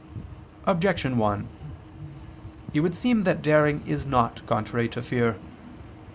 Objection 1: It would seem that daring is not contrary to fear.